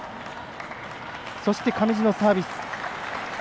そして、上地のサービス。